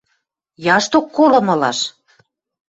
– Яшток колымылаш...